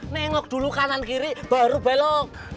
nengok dulu kanan kiri baru belok